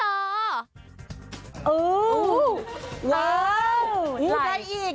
เอ้าได้อีก